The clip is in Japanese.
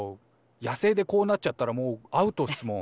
野生でこうなっちゃったらもうアウトっすもん。